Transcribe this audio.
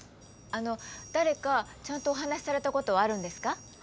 あの誰かちゃんとお話しされたことはあるんですか？